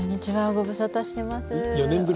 ご無沙汰してます。